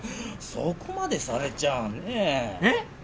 そこまでされちゃあねええッ！？